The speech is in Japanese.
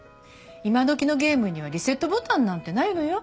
今どきのゲームにはリセットボタンなんてないのよ。